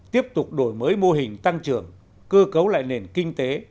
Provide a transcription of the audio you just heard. tiếp tục đổi mới mô hình tăng trưởng cơ cấu lại nền kinh tế